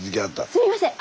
すみません！